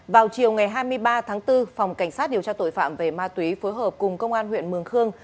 vào chiều ngày hai mươi ba tháng bốn phòng cảnh sát điều tra tội phạm về ma túy phối hợp cùng công an huyện mường khương